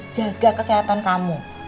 jaga kesehatan kamu